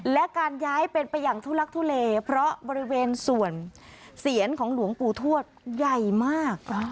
และการย้ายเป็นไปอย่างทุลักทุเลเพราะบริเวณส่วนเสียนของหลวงปู่ทวดใหญ่มาก